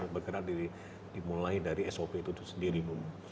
karena kita harus bergerak dimulai dari sop itu sendiri bu